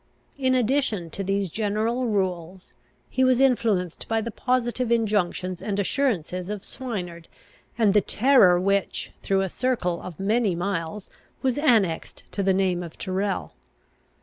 In addition to these general rules, he was influenced by the positive injunctions and assurances of Swineard, and the terror which, through a circle of many miles, was annexed to the name of Tyrrel.